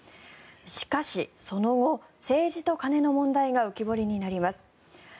しかし、その後政治と金の問題が浮き彫りになります。